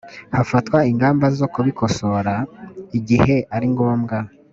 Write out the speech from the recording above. hafatwa ingamba zo kubikosora igihe aringombwa